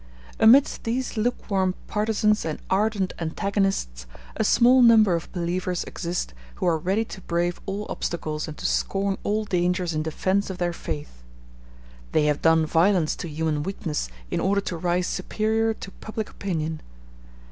Amidst these lukewarm partisans and ardent antagonists a small number of believers exist, who are ready to brave all obstacles and to scorn all dangers in defence of their faith. They have done violence to human weakness, in order to rise superior to public opinion.